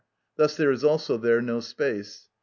Thus there is also there no space.